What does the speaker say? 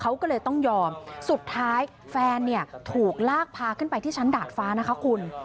เขาก็เลยต้องยอมสุดท้ายแฟนเนี่ยถูกลากพาขึ้นไปที่ชั้นดาดฟ้านะคะคุณ